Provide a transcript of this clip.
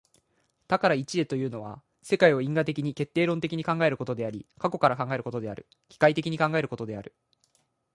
多から一へというのは、世界を因果的に決定論的に考えることである、過去から考えることである、機械的に考えることである。